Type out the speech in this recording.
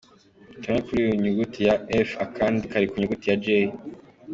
Kamwe kuri ku nyuguti ya ‘F’ akandi kari ku nyuguti ya ‘J’.